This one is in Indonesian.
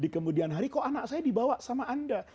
di kemudian hari kok anak saya dibawa sama anda